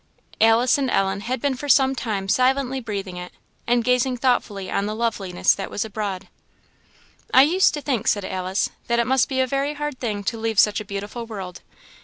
Alice and Ellen had been for some time silently breathing it, and gazing thoughtfully on the loveliness that was abroad. "I used to think," said Alice, "that it must be a very hard thing to leave such a beautiful world.